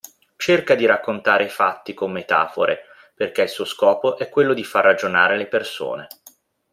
Cerca di raccontare i fatti con metafore, perché il suo scopo è quello di far ragionare le persone.